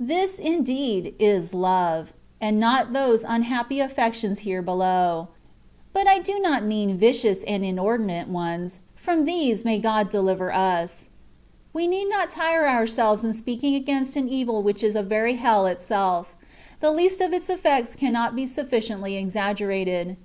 This, indeed, is love, and not those unhappy affections here below ; but I do not mean " vicious and in ordinate ones^^ — from these may God deliver us. We need not tire ourselves in speaking against an evil which is a very hell itself, the least of its effects cannot be sufficiently exaggerated.